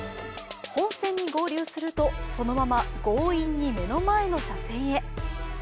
本線に合流するとそのまま強引に目の前の車線へ。